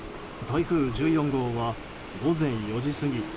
台風１４号は午前４時過ぎ